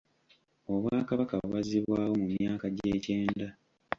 Obwakabaka bwazzibwawo mu myaka gy'ekyenda.